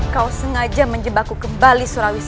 kau sengaja menjebakku kembali sulawesi